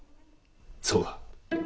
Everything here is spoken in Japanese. そうだ。